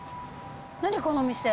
何、このお店？